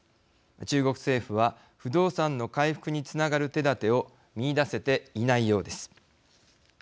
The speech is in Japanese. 中国政府は不動産の回復につながる手だてを見いだせていないようです。